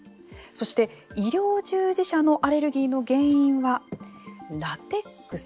そして医療従事者のアレルギーの原因はラテックス。